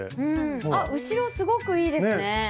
あ後ろすごくいいですね。